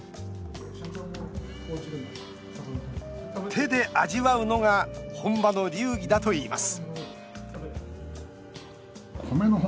手で味わうのが本場の流儀だといいます